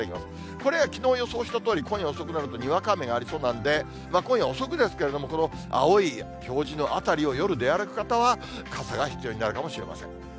これ、きのう予想したとおり、今夜遅くなると、にわか雨がありそうなんで、今夜遅くですけれども、この青い表示の辺りを夜出歩く方は傘が必要になるかもしれません。